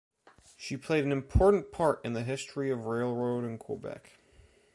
She played an important part in the history of railroad in Quebec.